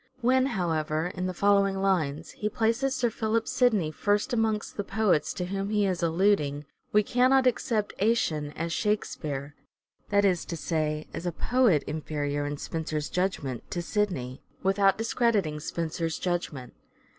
When, however, in the following lines he places Sir Philip Sidney first amongst the poets to whom he is alluding, we cannot accept " Action " as Shakespeare — that is to say, as a poet inferior, in Spenser's judgment, to Sidney — without discrediting Spenser's judgment.